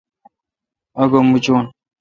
آگو مچون۔